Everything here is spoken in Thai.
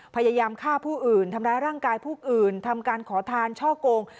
พยายามฆ่าผู้อื่นทำร้ายร่างกายผู้อื่นทำการขอทานช่อกง